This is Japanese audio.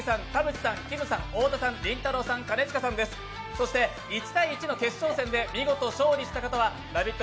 そして１対１の決勝戦で見事、勝利した方はＬＯＶＥＩＴ！